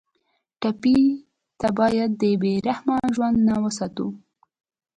ټپي ته باید د بې رحمه ژوند نه وساتو.